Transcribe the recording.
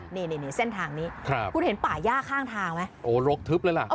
นี่นี่เส้นทางนี้คุณเห็นป่าย่าข้างทางไหมโอ้รกทึบเลยล่ะ